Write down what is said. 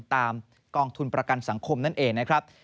กองทุนประกันสังคมนั่นเองนะครับ